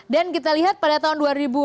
dan kita lihat pada tahun dua ribu enam belas